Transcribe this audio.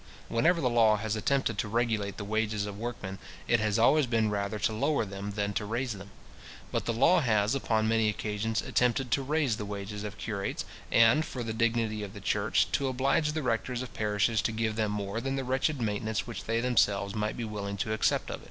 Whenever the law has attempted to regulate the wages of workmen, it has always been rather to lower them than to raise them. But the law has, upon many occasions, attempted to raise the wages of curates, and, for the dignity of the church, to oblige the rectors of parishes to give them more than the wretched maintenance which they themselves might be willing to accept of.